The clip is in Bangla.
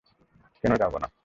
কেন যাব না?